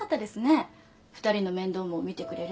２人の面倒も見てくれるし。